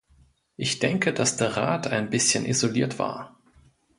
Ich denke, dass der Rat ein bisschen isoliert war.